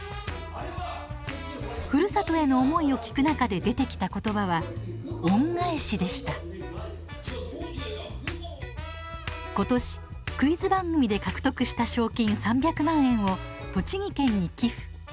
ふるさとへの思いを聞く中で出てきた言葉は「恩返し」でした今年クイズ番組で獲得した賞金３００万円を栃木県に寄付。